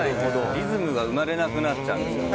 リズムが生まれなくなっちゃうんですね。